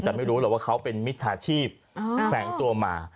แต่ไม่รู้หรอกว่าเขาเป็นมิจฉาชีพแฝงตัวมา